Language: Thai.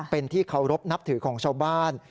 เป็นที่เคารพนับถือของชาวบ้าน